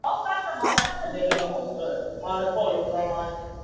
岩手县江刺市出身。